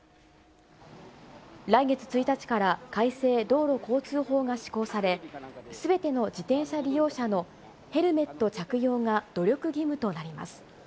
来月１日から、改正道路交通法が施行され、すべての自転車利用者のヘルメット着用が努力義務となります。